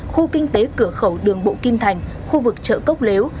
khu kinh tế cửa khẩu đường bộ kim thành khu vực chợ cốc lếu